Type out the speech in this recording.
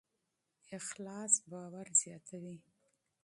اخلاص اعتماد زیاتوي.